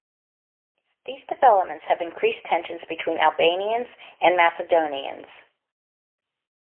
These developments have increased tensions between Albanians and Macedonians.